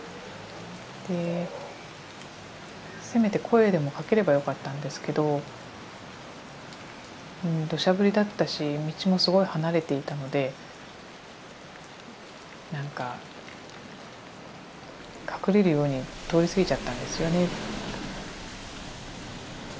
でせめて声でもかければよかったんですけど土砂降りだったし道もすごい離れていたのでなんか隠れるように通り過ぎちゃったんですよね。